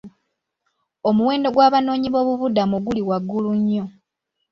Omuwendo gw'abanoonyiboobubudamu guli waggulu nnyo.